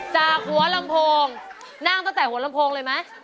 จากหัวลำโพงนั่งตั้งแต่หัวลำโพงเลยไหม